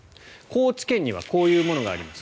高知県にはこういうものがあります。